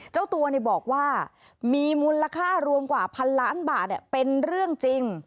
เจ้าตัวบอกว่ามีมูลค่ารวมกว่าพันล้านบาทเป็นเรื่องจริง